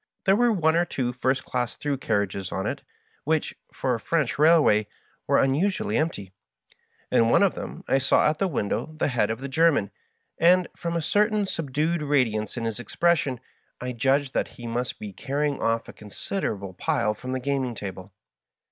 There were one or two first class through carriages on it, which, for a French railway, were un usually empty. In one of them I saw at the window the head of the German, and, from a certain subdued radi ance in his expression, I judged that he must be carrying oflE a considerable "pile" from the gaming table.